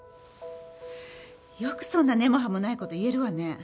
よくそんな根も葉もない事言えるわね。